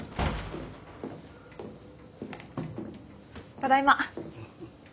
ただいま。